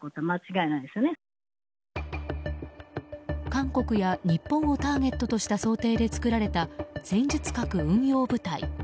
韓国や日本をターゲットとした想定で作られた戦術核運用部隊。